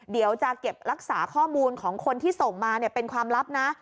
เดี๋ยวจะเก็บรักษาข้อมูลของคนที่ส่งมาเป็นความลับนะ